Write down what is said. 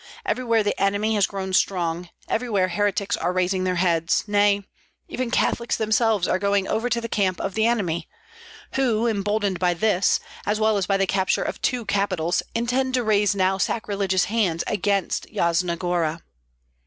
Everywhere the enemy has grown strong, every where heretics are raising their heads, nay, even Catholics themselves are going over to the camp of the enemy; who, emboldened by this, as well as by the capture of two capitals, intend to raise now sacrilegious hands against Yasna Gora."